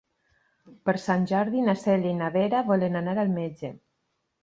Per Sant Jordi na Cèlia i na Vera volen anar al metge.